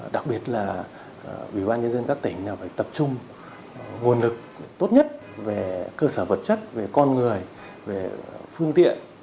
đặc biệt là ủy ban nhân dân các tỉnh phải tập trung nguồn lực tốt nhất về cơ sở vật chất về con người về phương tiện